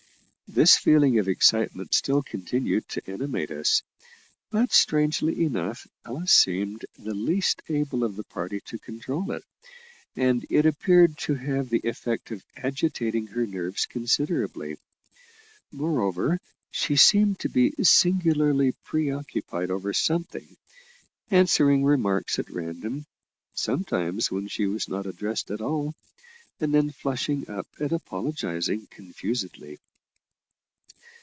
This feeling of excitement still continued to animate us; but, strangely enough, Ella seemed the least able of the party to control it, and it appeared to have the effect of agitating her nerves considerably. Moreover, she seemed to be singularly pre occupied over something, answering remarks at random sometimes when she was not addressed at all and then flushing up and apologising confusedly.